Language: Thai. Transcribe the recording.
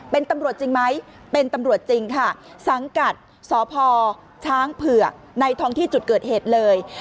เป็นตำรวจจริงไหมเป็นตำรวจจริงค่ะสังกัดสพช้างเผือกในท้องที่จุดเกิดเหตุเลย